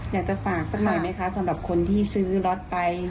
อยากจะฝากสักหน่อยไหมคะสำหรับคนที่ซื้อรถไป